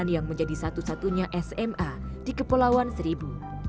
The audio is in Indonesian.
yang menjadi satu satunya sma di kepulauan seribu